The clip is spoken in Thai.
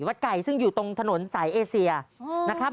วัดไก่ซึ่งอยู่ตรงถนนสายเอเซียนะครับ